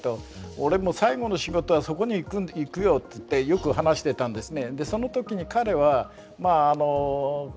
俺も最後の仕事はそこに行くよって言ってよく話してたんですね。